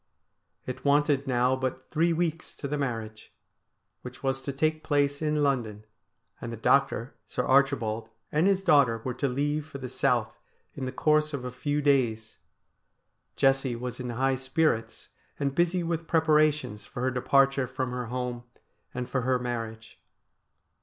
It wanted now but three weeks to the marriage, which was to take place in London, and the doctor, Sir Archibald, and his daughter were to leave for the South in the course of a few days. Jessie was in high spirits, and busy with pre parations for her departure from her home and for her mar riage.